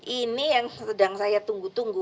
ini yang sedang saya tunggu tunggu